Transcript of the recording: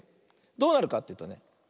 どうなるかっていうとね。